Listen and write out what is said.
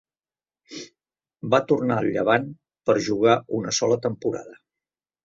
Va tornar al Llevant per jugar una sola temporada.